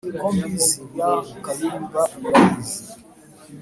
ku mbizi ya kayumba murayizi